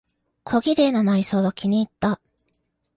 小綺麗な内装は気にいった。